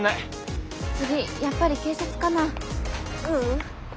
次やっぱり警察かな？